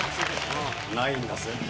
ないんだぜ。